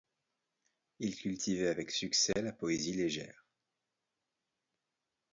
Il cultivait avec succès la poésie légère.